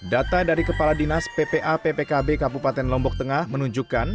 data dari kepala dinas ppa ppkb kabupaten lombok tengah menunjukkan